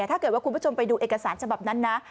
ถ้าเกิดว่าคุณผู้ชมไปดูเอกสารฉบับนั้นนะ